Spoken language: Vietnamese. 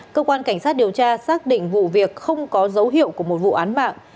cơ quan cảnh sát điều tra xác định vụ việc không có dấu hiệu của một vụ án mạng